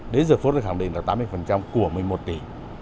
đến giờ phước đã khẳng định là tám mươi của một mươi một tỷ